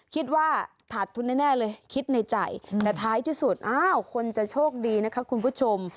คิดว่าขาดทุนแน่เลยคิดในใจแต่ท้ายที่สุดอ้าวคนจะโชคดีนะคะคุณผู้ชม